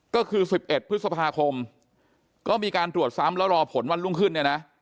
ก็คือ๑๑พฤษภาคมก็มีการตรวจซ้ำแล้วรอผลวันรุ่งขึ้นเนี่ยนะ